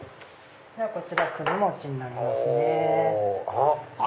こちらもちになりますね。